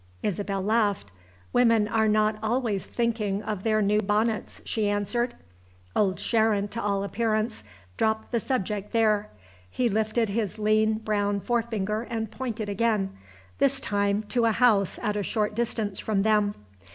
Isabel laughed. "Women are not always thinking of their new bonnets," she answered. Old Sharon, to all appearance, dropped the subject there. He lifted his lean brown forefinger and pointed again this time to a house at a short distance from them.